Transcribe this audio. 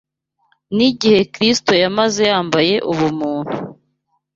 n’igihe Kristo yamaze yambaye ubumuntu